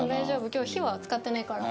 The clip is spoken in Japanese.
今日火は使ってないから。